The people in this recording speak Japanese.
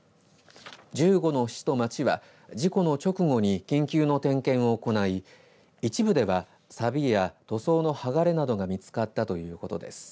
１５の市と町は事故の直後に緊急の点検を行い一部ではさびや塗装のはがれなどが見つかったということです。